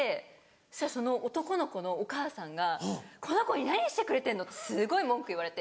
そしたらその男の子のお母さんが「この子に何してくれてんの⁉」ってすごい文句言われて。